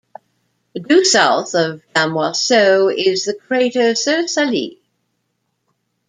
Due south of Damoiseau is the crater Sirsalis.